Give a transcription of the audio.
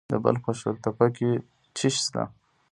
د بلخ په شورتپه کې څه شی شته؟